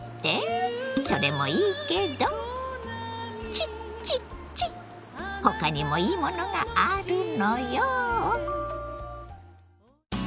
それもいいけどチッチッチッ他にもいいものがあるのよ。